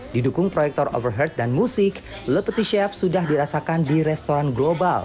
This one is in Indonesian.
didukung proyektor overhead dan musik lepeti chef sudah dirasakan di restoran global